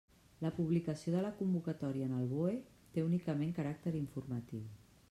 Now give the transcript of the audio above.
La publicació de la convocatòria en el BOE té únicament caràcter informatiu.